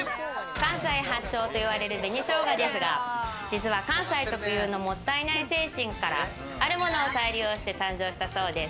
関西発祥って言われる紅生姜ですが、実は関西特有の、もったいない精神からあるものを再利用して誕生したそうです。